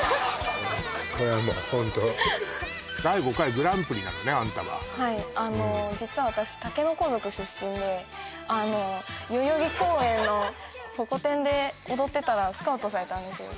これはもうホント第５回グランプリなのねあんたははい実は私竹の子族出身で代々木公園のホコ天で踊ってたらスカウトされたんですよ